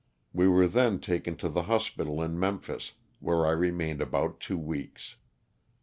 We were then taken to the hospital in Memphis, where I remained about two weeks.